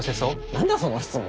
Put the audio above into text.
何だその質問！